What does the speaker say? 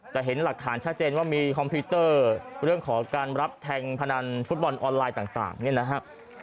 แต่เห็นหลักฐานชัดเจนว่ามีคอมพิวเตอร์เรื่องของการรับแทงพนันฟุตบอลออนไลน์ต่างเนี่ยนะครับ